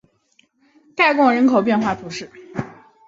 盖贡人口变化图示